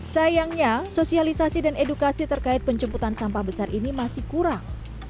sayangnya sosialisasi dan edukasi terkait penjemputan sampah besar ini masih kurang